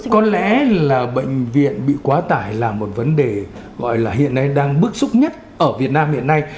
có lẽ là bệnh viện bị quá tải là một vấn đề gọi là hiện nay đang bức xúc nhất ở việt nam hiện nay